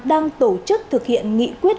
đang tổ chức thực hiện nghị quyết